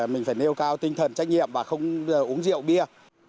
mình phải nêu cao tinh thần trách nhiệm và không uống rượu bia